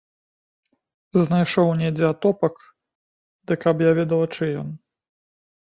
Знайшоў недзе атопак, ды каб я ведала, чый ён!